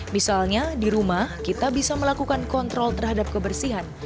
misalnya di rumah kita bisa melakukan kontrol terhadap kebersihan